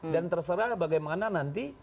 dan terserah bagaimana nanti